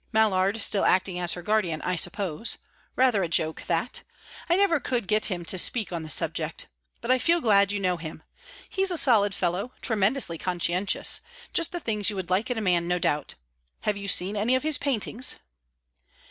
Mallard still acting as her guardian, I suppose. Rather a joke, that. I never could get him to speak on the subject. But I feel glad you know him. He's a solid fellow, tremendously conscientious; just the things you would like in a man, no doubt. Have you seen any of his paintings?"